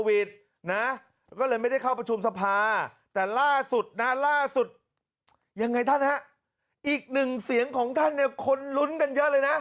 อีกหนึ่งเสียงของท่านเนี่ยคนลุ้นกันเยอะเลยนะ